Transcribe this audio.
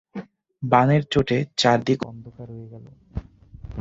বাণের চোটে চারিদিক অন্ধকার হয়ে গেল!